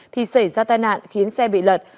thì xảy ra tai nạn khiến xe bị lật